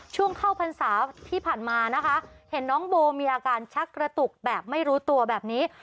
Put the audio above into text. ช่วงเข้าพรรษาที่ผ่านมานะคะเห็นน้องโบมีอาการชักกระตุกแบบไม่รู้ตัวแบบนี้